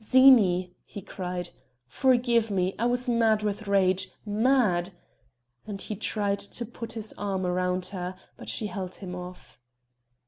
"Zini," he cried, "forgive me I was mad with rage mad." And he tried to put his arm round her. But she held him off.